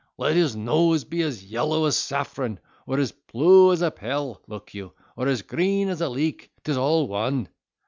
Let his nose be as yellow as saffron, or as plue as a pell (look you), or as green as a leek, 'tis all one."